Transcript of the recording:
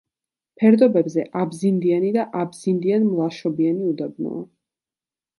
ფერდობებზე აბზინდიანი და აბზინდიან-მლაშობიანი უდაბნოა.